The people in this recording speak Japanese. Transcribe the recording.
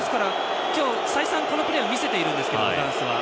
今日、再三このプレーを見せているんですがフランスは。